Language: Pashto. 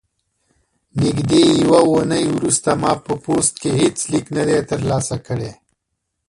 نږدې یوه اونۍ وروسته ما په پوسټ کې هیڅ لیک نه دی ترلاسه کړی.